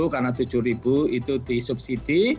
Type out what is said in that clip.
tiga puluh lima karena tujuh itu disubsidi